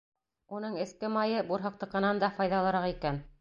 Уның эске майы бурһыҡтыҡынан да файҙалыраҡ икән.